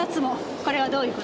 これはどういう事？